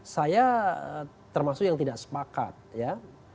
saya termasuk yang tidak sepakat ya